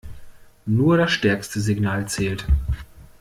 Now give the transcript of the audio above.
Nur das stärkste Signal zählt.